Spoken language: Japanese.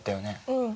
うん。